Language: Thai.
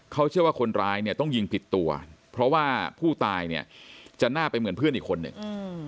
เขาเชื่อว่าคนร้ายเนี่ยต้องยิงผิดตัวเพราะว่าผู้ตายเนี่ยจะน่าไปเหมือนเพื่อนอีกคนหนึ่ง